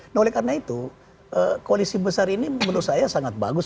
nah oleh karena itu koalisi besar ini menurut saya sangat bagus